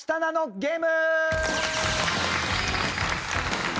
ゲーム！